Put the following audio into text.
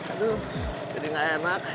aduh jadi gak enak